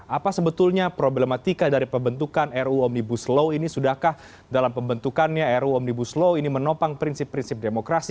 apa sebetulnya problematika dari pembentukan ru omnibus law ini sudahkah dalam pembentukannya ruu omnibus law ini menopang prinsip prinsip demokrasi